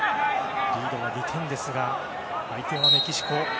リードは２点ですが相手はメキシコ。